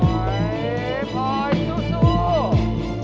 มีพลิกโพสต์ทำไมเลือกเต้ย